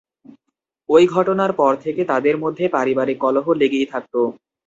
ওই ঘটনার পর থেকে তাঁদের মধ্যে পারিবারিক কলহ লেগেই থাকত।